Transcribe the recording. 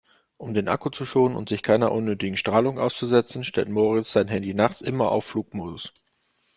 Um den Akku zu schonen und sich keiner unnötigen Strahlung auszusetzen, stellt Moritz sein Handy nachts immer auf Flugmodus.